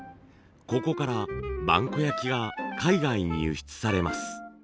ここから萬古焼が海外に輸出されます。